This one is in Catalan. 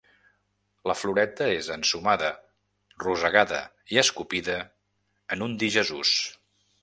La floreta és ensumada, rosegada i escopida en un dir Jesús.